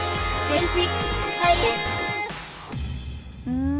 うん。